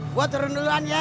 gua turun duluan ya